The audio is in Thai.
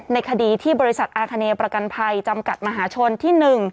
ในคดีที่บริษัทอาคเนประกันภัยจำกัดมหาชนที่๑